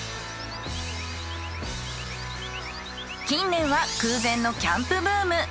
近年は空前のキャンプブーム。